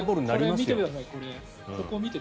見てください。